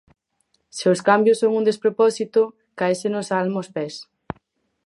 Se os cambios son un despropósito, cáesenos a alma aos pés.